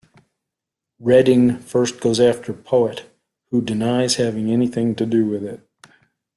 Redding first goes after Poet, who denies having anything to do with it.